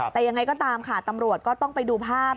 แต่ยังไงก็ตามค่ะตำรวจก็ต้องไปดูภาพ